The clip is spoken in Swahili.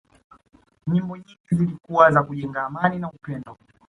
nyimbo nyingi zilikuwa za kujenga amani na upendo